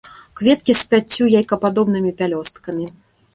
Кветкі з пяццю яйкападобнымі пялёсткамі.